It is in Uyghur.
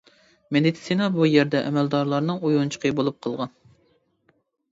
مېدىتسىنا بۇ يەردە ئەمەلدارلارنىڭ ئويۇنچۇقى بولۇپ قالغان.